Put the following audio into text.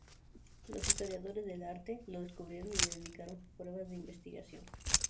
Los historiadores del arte lo descubrieron y le dedicaron pruebas de investigación.